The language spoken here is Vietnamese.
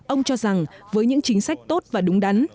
ông cho rằng với những chính sách tốt và đúng đắn